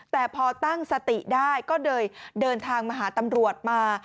แต่พอตั้งสติได้ก็เลยเดินทางมาหาตำรวจมา